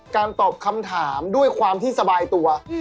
ตอบคำถามด้วยความที่สบายตัว